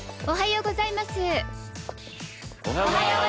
おはようございます。